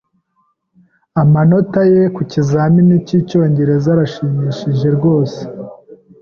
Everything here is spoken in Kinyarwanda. Amanota ye ku kizamini cyicyongereza arashimishije rwose.